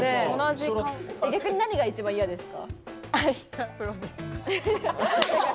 逆に何が一番嫌ですか？